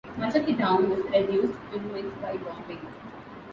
Much of the town was reduced to ruins by bombing.